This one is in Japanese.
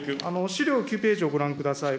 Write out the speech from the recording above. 資料９ページをご覧ください。